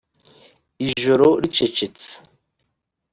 ijoro ricecetse